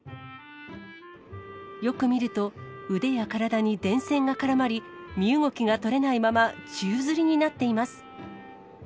よく見ると、腕や体に電線が絡まり、身動きが取れないまま宙づりになっています。